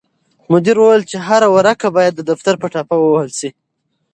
مدیر وویل چې هره پاڼه باید د دفتر په ټاپه ووهل شي.